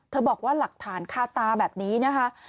บอกว่าหลักฐานคาตาแบบนี้นะคะ